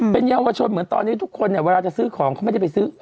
เป็นเยาวชนเหมือนตอนนี้ทุกคนเนี่ยเวลาจะซื้อของเขาไม่ได้ไปซื้อ